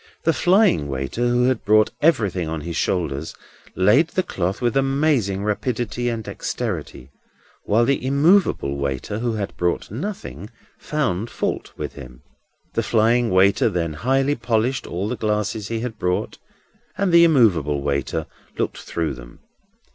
The flying waiter, who had brought everything on his shoulders, laid the cloth with amazing rapidity and dexterity; while the immovable waiter, who had brought nothing, found fault with him. The flying waiter then highly polished all the glasses he had brought, and the immovable waiter looked through them.